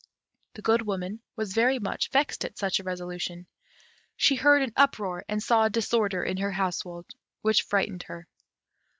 The Good Woman was very much vexed at such a resolution. She heard an uproar, and saw a disorder in her household, which frightened her.